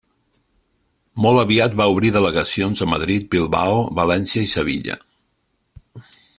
Molt aviat va obrir delegacions a Madrid, Bilbao, València i Sevilla.